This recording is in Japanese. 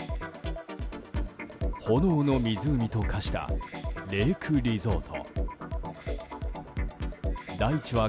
炎の湖と化したレイクリゾート。